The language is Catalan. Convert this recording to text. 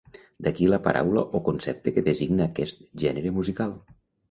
D'aquí la paraula o concepte que designa aquest gènere musical.